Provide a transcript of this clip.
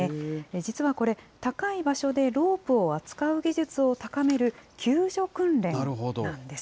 実はこれ、高い場所でロープを扱う技術を高める救助訓練なんです。